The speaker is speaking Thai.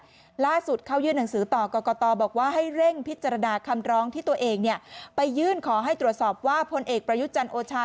ล่าสุดเข้ายื่นหนังสือต่อกรกตบอกว่าให้เร่งพิจารณาคำร้องที่ตัวเองเนี่ยไปยื่นขอให้ตรวจสอบว่าพลเอกประยุทธ์จันทร์โอชา